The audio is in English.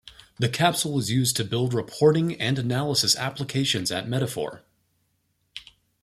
The Capsule was used to build reporting and analysis applications at Metaphor.